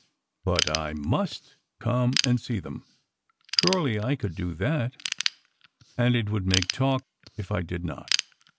But I must come and see them. Surely I could do that? And it would make talk if I did not.